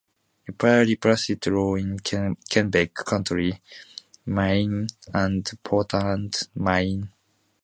Ripley practiced law in Kennebec County, Maine, and Portland, Maine.